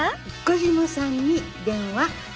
岡嶋さんに電話。